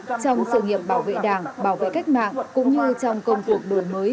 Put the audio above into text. trong sự nghiệp bảo vệ đảng bảo vệ cách mạng cũng như trong công cuộc đổi mới